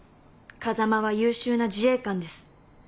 風間は優秀な自衛官です。